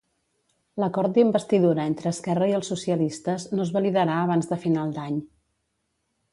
L'acord d'investidura entre Esquerra i els socialistes no es validarà abans de final d'any.